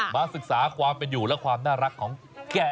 มาศึกษาความเป็นอยู่และความน่ารักของแก่